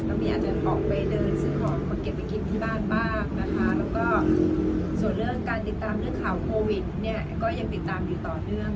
อาจจะออกไปเดินซื้อของมาเก็บไปกินที่บ้านบ้างนะคะแล้วก็ส่วนเรื่องการติดตามเรื่องข่าวโควิดเนี่ยก็ยังติดตามอยู่ต่อเนื่อง